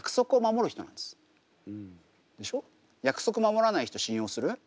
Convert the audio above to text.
約束守らない人信用する？